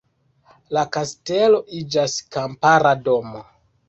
La kastelo iĝas kampara domo.